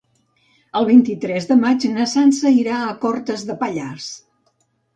El vint-i-tres de maig na Sança irà a Cortes de Pallars.